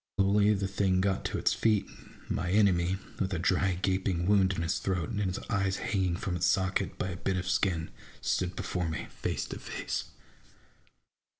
Slowly the thing got to its feet ; and my enemy, with a dry gaping wound in his throat, and his eye hanging from its socket by a bit of skin, stood before me, face to face.